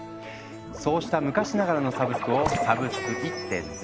そうした昔ながらのサブスクを「サブスク１．０」。